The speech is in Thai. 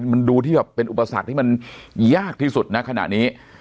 มันดูที่แบบเป็นอุปสรรคที่มันยากที่สุดนะขณะนี้